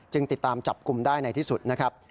ติดตามจับกลุ่มได้ในที่สุดนะครับ